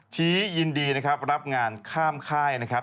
ชี้ยินดีนะครับรับงานข้ามค่ายนะครับ